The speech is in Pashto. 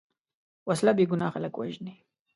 وسله بېګناه خلک وژني